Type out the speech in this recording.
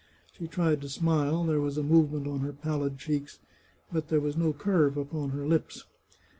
She tried to smile; there was a movement on her pallid cheeks, but there was no curve upon her lips.